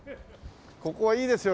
ここはいいですよね。